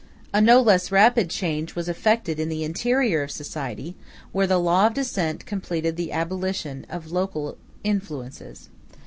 A no less rapid change was effected in the interior of society, where the law of descent completed the abolition of local influences.